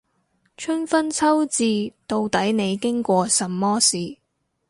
春分秋至，到底你經過什麼事